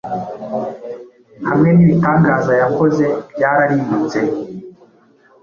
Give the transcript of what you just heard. hamwe nibitangaza yakoze byararimbutse